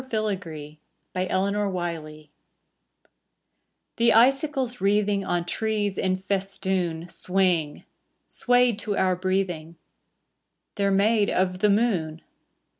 SILVBR FILAGREE The icicles wreathing On trees in festoon Swing, swayed to our breathing: They're made of the moon.